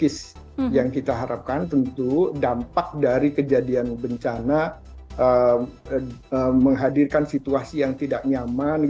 krisis yang kita harapkan tentu dampak dari kejadian bencana menghadirkan situasi yang tidak nyaman